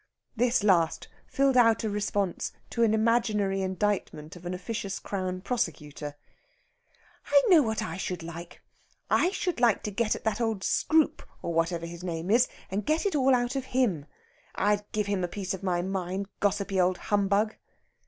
This last filled out a response to an imaginary indictment of an officious Crown Prosecutor. "I know what I should like! I should like to get at that old Scroope, or whatever his name is, and get it all out of him. I'd give him a piece of my mind, gossipy old humbug!"